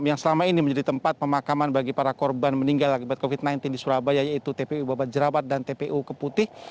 yang selama ini menjadi tempat pemakaman bagi para korban meninggal akibat covid sembilan belas di surabaya yaitu tpu babat jerawat dan tpu keputih